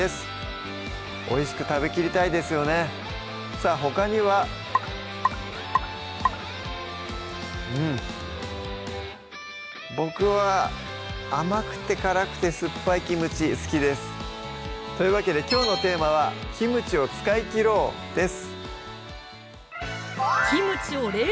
さぁほかにはうん僕は甘くて辛くて酸っぱいキムチ好きですというわけできょうのテーマは「キムチを使い切ろう！」です